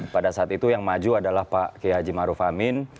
pada saat itu yang maju adalah pak ki haji maruf amin